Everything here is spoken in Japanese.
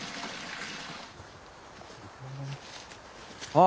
ああ。